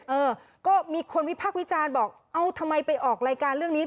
เออก็มีคนวิพากษ์วิจารณ์บอกเอ้าทำไมไปออกรายการเรื่องนี้